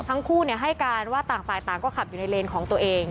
ทั้งคู่ให้การว่าต่างฝ่ายต่างก็ขับอยู่ในเลนของตัวเอง